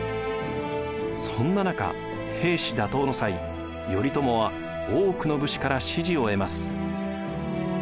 そんな中平氏打倒の際頼朝は多くの武士から支持を得ます。